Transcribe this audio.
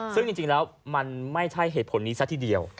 ซึ่งจริงแล้วมันไม่ใช่เหตุผลนี้ซะทีเดียว